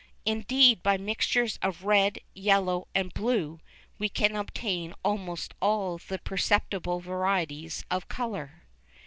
Indeed by mixtures of red, yellow and blue we can obtain almost all the perceptible varieties of colour.